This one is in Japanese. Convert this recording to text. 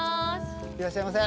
いらっしゃいませ。